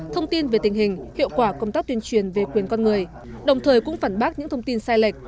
thông tin về tình hình hiệu quả công tác tuyên truyền về quyền con người đồng thời cũng phản bác những thông tin sai lệch